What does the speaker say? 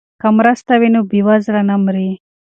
که مرسته وي نو بیوزله نه مري.